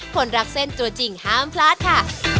คนรักเส้นตัวจริงห้ามพลาดค่ะ